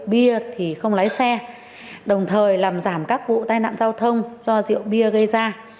bia thì không lái xe đồng thời làm giảm các vụ tai nạn giao thông do rượu bia gây ra